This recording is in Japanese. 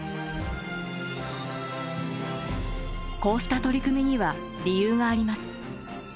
こうした取り組みには理由があります。